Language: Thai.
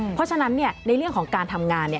เพราะฉะนั้นในเรื่องของการทำงาน